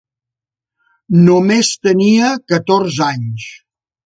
Només tenia catorze anys.